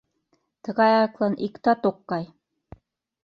— Тыгай аклан иктат ок кай!